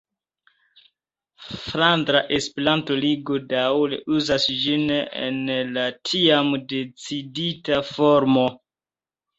Flandra Esperanto-Ligo daŭre uzas ĝin en la tiam decidita formo.